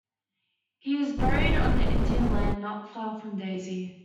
He is buried on the Indian land not far from Daisy.